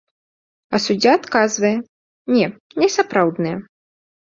А суддзя адказвае, не, несапраўдныя.